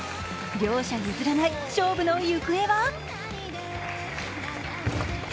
両者譲らない勝負の行方は？